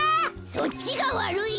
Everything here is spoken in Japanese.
そっちがわるい！